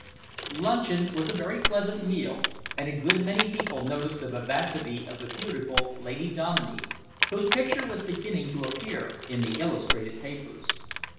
Luncheon was a very pleasant meal, and a good many people noticed the vivacity of the beautiful Lady Dominey whose picture was beginning to appear in the illustrated papers.